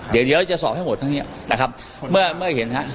เดี๋ยวเดี๋ยวเราจะสอบให้หมดทั้งเนี้ยนะครับเมื่อเมื่อเห็นฮะ